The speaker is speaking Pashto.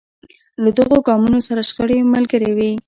له دغو ګامونو سره شخړې ملګرې وې.